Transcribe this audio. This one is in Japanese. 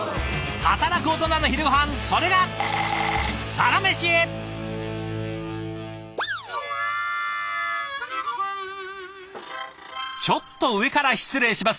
働くオトナの昼ごはんそれがちょっと上から失礼します。